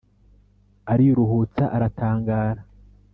ariruhutsa aratangara,